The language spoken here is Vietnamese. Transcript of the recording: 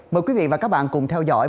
mời quý vị và các bạn cùng theo dõi